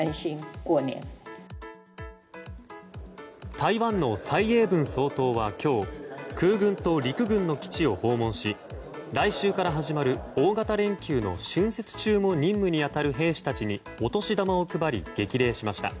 台湾の蔡英文総統は今日空軍と陸軍の基地を訪問し来週から始まる大型連休の春節中も任務にあたる兵士たちにお年玉を配り激励しました。